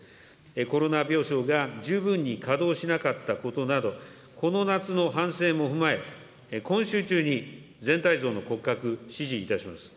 コロナ病床が十分に稼働しなかったことなど、この夏の反省も踏まえ、今週中に全体像の骨格、指示いたします。